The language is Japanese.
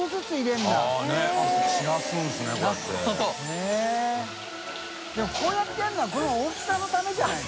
悗А舛叩任こうやってやるのはこの大きさのためじゃない？